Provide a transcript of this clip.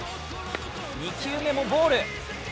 ２球目もボール。